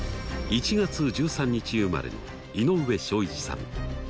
１月１３日生まれの井上章一さん。